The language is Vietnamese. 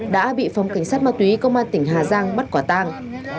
đã bị phòng cảnh sát ma túy công an tỉnh hà giang bắt quả tang